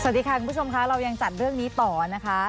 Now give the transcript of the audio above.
สวัสดีค่ะคุณผู้ชมค่ะเรายังจัดเรื่องนี้ต่อนะคะ